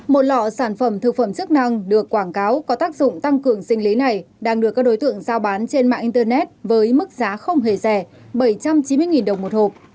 một lọ sản phẩm thực phẩm chức năng được quảng cáo có tác dụng tăng cường sinh lý này đang được các đối tượng giao bán trên mạng internet với mức giá không hề rẻ bảy trăm chín mươi đồng một hộp